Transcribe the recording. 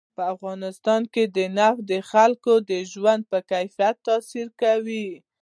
په افغانستان کې نفت د خلکو د ژوند په کیفیت تاثیر کوي.